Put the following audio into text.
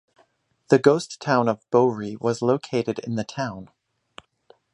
The ghost town of Bohri was located in the town.